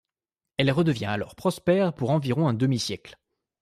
Elle redevient alors prospère pour environ un demi-siècle.